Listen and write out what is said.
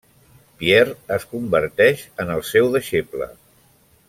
Pierre es converteix en el seu deixeble.